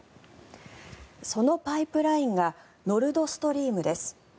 そのパイプラインがノルド・ストリームです。